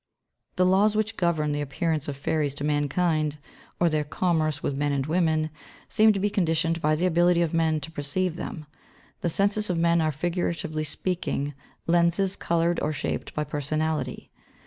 ] The laws which govern the appearance of fairies to mankind or their commerce with men and women seem to be conditioned by the ability of men to perceive them. The senses of men are figuratively speaking lenses coloured or shaped by personality.